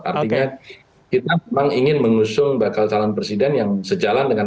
artinya kita memang ingin mengusung bakal calon presiden yang sejalan dengan